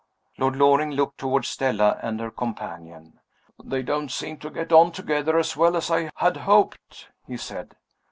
Lord Loring looked toward Stella and her companion. "They don't seem to get on together as well as I had hoped," he said.